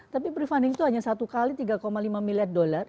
tapi prefunding itu hanya satu kali tiga lima miliar dolar